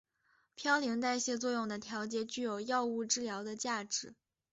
嘌呤代谢作用的调节具有药物治疗的价值。